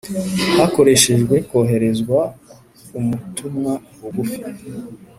hakoreshejwe koherezwa umutumwa bugufi